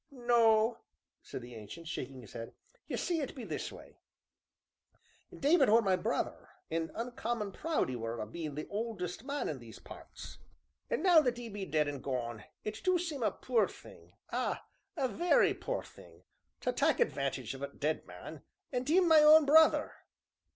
"No," said the Ancient, shaking his head, "ye see it be this way: David were my brother, an' uncommon proud 'e were o' bein' the oldest man in these parts, an' now that 'e be dead an' gone it du seem a poor thing ah! a very poor thing! to tak' 'vantage of a dead man, an' him my own brother!"